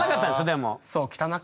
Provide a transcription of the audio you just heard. でも。